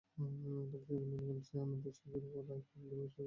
তবে সংগঠনটি বলছে, আনুতোষিকের ওপর আয়কর আরোপের বিষয়টি একটি খারাপ পদক্ষেপ।